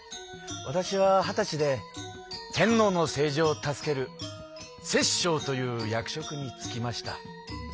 わたしは二十歳で天皇の政治を助ける摂政という役職につきました。